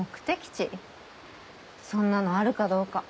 そんなのあるかどうか。